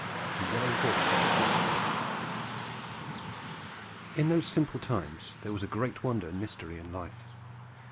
THE YELLOW HORSE OF CROOKSBURY In those simple times there was a great wonder and mystery in life.